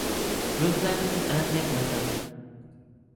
Rutland, and Templeton.